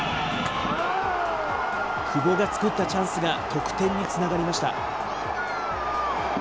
久保が作ったチャンスが得点につながりました。